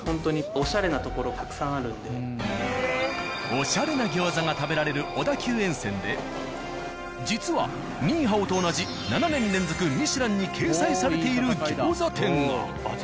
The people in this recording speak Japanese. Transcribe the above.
オシャレな餃子が食べられる小田急沿線で実は「好」と同じ７年連続「ミシュラン」に掲載されている餃子店が。